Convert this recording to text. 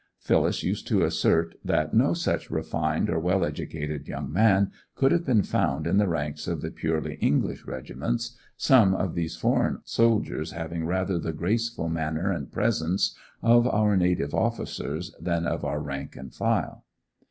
Phyllis used to assert that no such refined or well educated young man could have been found in the ranks of the purely English regiments, some of these foreign soldiers having rather the graceful manner and presence of our native officers than of our rank and file.